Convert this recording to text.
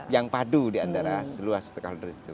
yang padu diantara seluas setelah dari situ